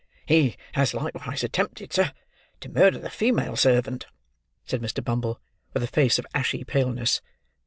"He has likewise attempted, sir, to murder the female servant," said Mr. Bumble, with a face of ashy paleness.